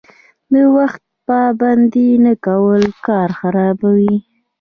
د وخت پابندي نه کول کار خرابوي.